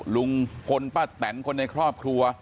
ลุงพลป้าแตนคนในครอบครัว